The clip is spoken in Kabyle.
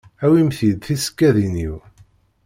Awimt-yi-d tisekkadin-iw.